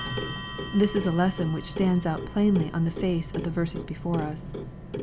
This is a lesson which stands out plainly on the face of the verses before us.